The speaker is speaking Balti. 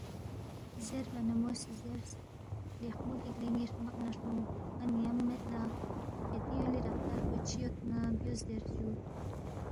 زیربا نہ مو سی زیرس، لیخمو گِک لے ن٘ی ہرمق نہ ہرمُو، ن٘ا ن٘یَم مید لہ یتی یُولی رفتار پو چی یود نہ بیوس زیرس جُو